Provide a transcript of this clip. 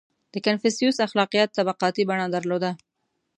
• د کنفوسیوس اخلاقیات طبقاتي بڼه درلوده.